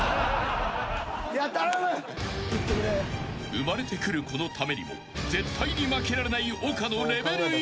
［生まれてくる子のためにも絶対に負けられない丘の］